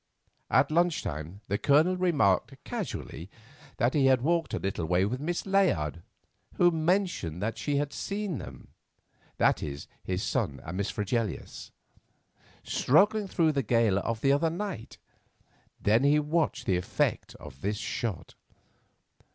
At lunch time the Colonel remarked casually that he had walked a little way with Miss Layard, who mentioned that she had seen them—i.e., his son and Miss Fregelius—struggling through the gale the other night. Then he watched the effect of this shot.